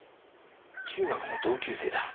中学の同級生だ。